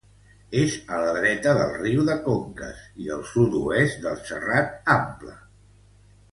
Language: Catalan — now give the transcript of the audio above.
És a la dreta del riu de Conques i al sud-oest del Serrat Ample.